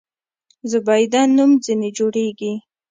زبیده نوم ځنې جوړېږي.